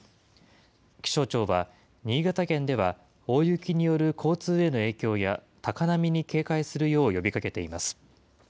気象庁は、新潟県では大雪による交通への影響や高波に警戒するよう呼びかけています。